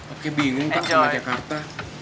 pokoknya bingung kak sama jakarta